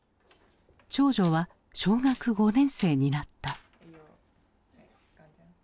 長女は小学５年生になった。